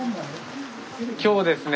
今日ですね